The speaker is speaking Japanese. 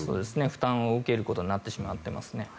負担を受けることになってしまっていますね。